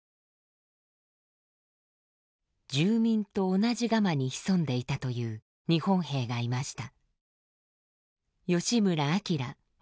住民と同じガマに潜んでいたという日本兵がいました。